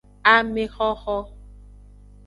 Amexoxo.